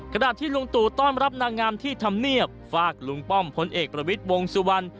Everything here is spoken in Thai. ขณะที่ลุงตู่ต้อนรับนางงามที่ทำเนียบฝากลุงป้อมพลเอกประวิทย์วงสุวรรณ